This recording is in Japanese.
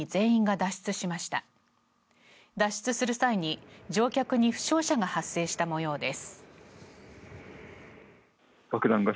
脱出する際に、乗客に負傷者が発生した模様です。